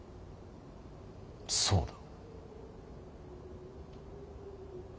そうだ。